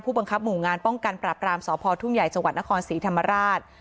บังคับหมู่งานป้องกันปราบรามสพทุ่งใหญ่จังหวัดนครศรีธรรมราช